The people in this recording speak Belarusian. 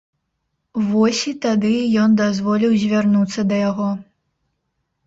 Вось і тады ён дазволіў звярнуцца да яго.